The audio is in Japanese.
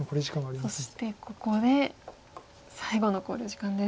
そしてここで最後の考慮時間です。